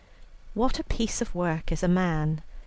"What a piece of work is a man!